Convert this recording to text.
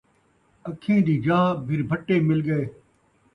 اکھیں دی جاہ بھربھٹے مل ڳئے